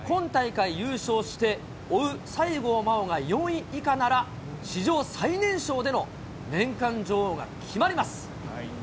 今大会優勝して、追う西郷真央が４位以下なら、史上最年少での年間女王が決まります。